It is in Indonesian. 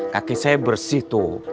kaki saya bersih tuh